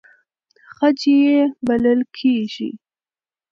خج یې بلل کېږي.